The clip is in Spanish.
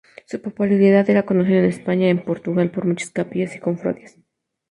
Su popularidad era conocida en España y en Portugal por muchas capillas o cofradías.